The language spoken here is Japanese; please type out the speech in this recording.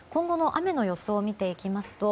今後の雨の予想を見ていきますと